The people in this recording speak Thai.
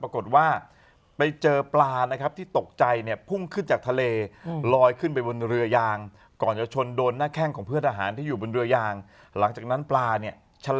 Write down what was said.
ก้าบไปอีกอยู่ดีเรายังไหลออกไป